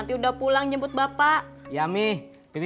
ridha rosak juga sama anak bebek